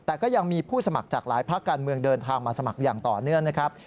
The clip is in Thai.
แต่ก็ยังมีผู้สมัครจากหลายภาคการเมืองเดินทางมาสมัครอย่างต่อเนื่องนะครับ